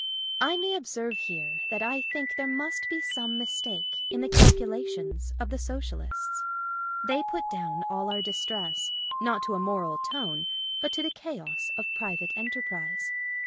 I may observe here that I think there must be some mistake in the calculations of the Socialists. They put down all our distress, not to a moral tone, but to the chaos of private enterprise.